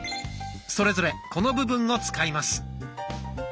それぞれこの部分を使います。